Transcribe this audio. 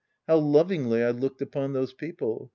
How lovingly I looked upon those people